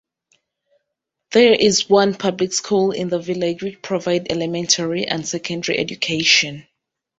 There is one public school in the village which provide elementary and secondary education.